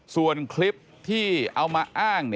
ส่วนคลิปที่เอามาอ้าง